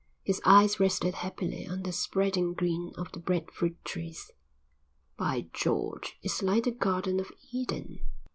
His eyes rested happily on the spreading green of the bread fruit trees. "By George, it's like the garden of Eden."